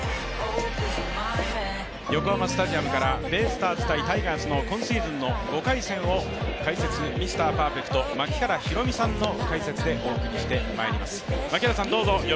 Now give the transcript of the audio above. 横浜スタジアムからベイスターズ×タイガースの５回戦を、ミスターパーフェクト槙原寛己さんの解説でお送りしてまいります。